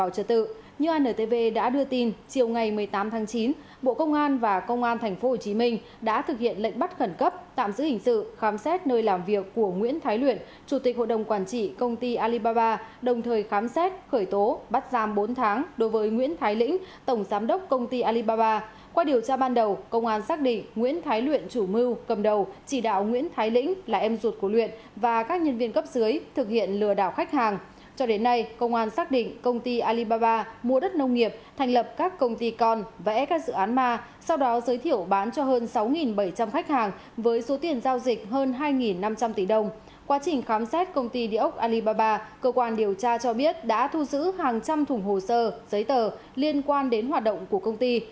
quá trình khám xét công ty địa ốc alibaba cơ quan điều tra cho biết đã thu giữ hàng trăm thùng hồ sơ giấy tờ liên quan đến hoạt động của công ty